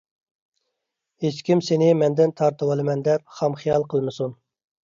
ھېچكىم سېنى مەندىن تارتىۋالىمەن دەپ خام خىيال قىلمىسۇن!